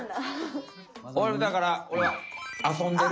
俺はだから俺は「遊んでる」。